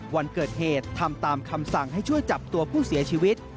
วันเกิดเหตุทำตามคำสั่งให้ช่วยจับตัวผู้เสียชีวิต